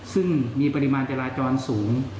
ซึ่งมีปริมาณจราจรสูง